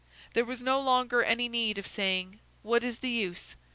There was no longer any need of saying, "What is the use?"